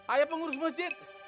ayo pengurus masjid